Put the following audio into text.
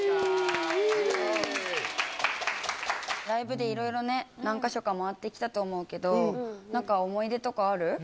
ライブでいろいろね何か所か回って来たと思うけど何か思い出とかある？